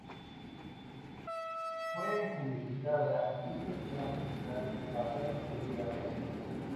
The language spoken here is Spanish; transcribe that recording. Fue publicitada esta escena musical basada en su vida real.